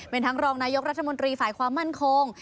เป็นทั้งรองนายกรัฐมนตรีฝ่ายความมั่นคง